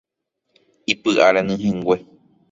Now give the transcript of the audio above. ¡Ipyʼa renyhẽngue!